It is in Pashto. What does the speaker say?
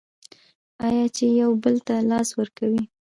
آیا چې یو بل ته لاس ورکوي؟